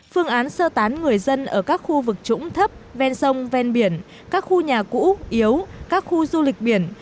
phương án sơ tán người dân ở các khu vực trũng thấp ven sông ven biển các khu nhà cũ yếu các khu du lịch biển